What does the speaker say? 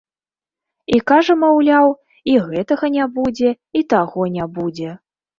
І кажа, маўляў, і гэтага не будзе, і таго не будзе.